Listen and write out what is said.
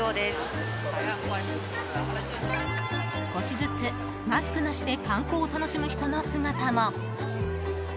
少しずつマスクなしで観光を楽しむ人の姿も。